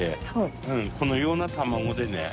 このような卵でね。